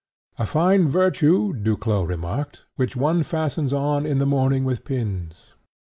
"A fine virtue," Duclos remarked, "which one fastens on in the morning with pins."